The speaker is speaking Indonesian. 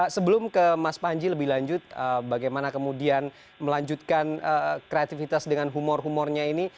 sebelum ke mas panji lebih lanjut bagaimana kemudian melanjutkan kreativitas dengan humor humornya ini